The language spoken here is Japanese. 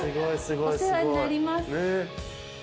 お世話になります。